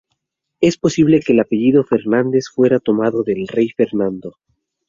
Es posible que el apellido Fernández fuera tomado del rey Fernando.